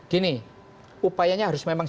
gini upayanya harus memang